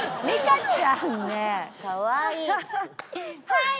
はい！